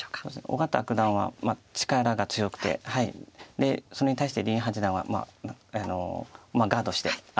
小県九段は力が強くてでそれに対して林八段はガードして。